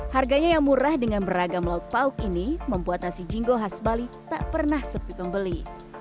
harganya yang murah dengan beragam lauk pauk ini membuat nasi jingo khas bali tak pernah sepi pembeli